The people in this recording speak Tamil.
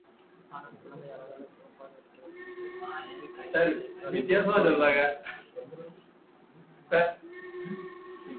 ஆனால் குழந்தை அழகாக சிவப்பாக இருக்கிறது என்று என் மனைவி கடிதம் எழுதியிருக்கிறாள் என்று கூறினேன்.